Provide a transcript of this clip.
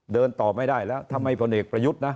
เดินต่อไม่ได้แล้วทำไมพลเอกประยุทธ์นะ